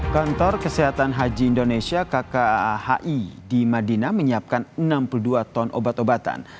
kantor kesehatan haji indonesia kkahi di madinah menyiapkan enam puluh dua ton obat obatan